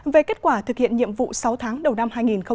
về kết quả thực hiện nhiệm vụ sáu tháng đầu năm hai nghìn hai mươi